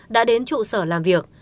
đã đến trụ sở làm việc